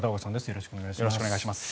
よろしくお願いします。